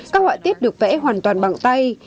các họa tiết được vẽ hoàn toàn bằng tay